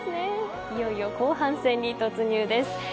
いよいよ後半戦に突入です。